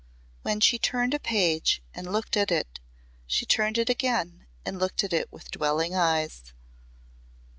When she turned a page and looked at it she turned it again and looked at it with dwelling eyes.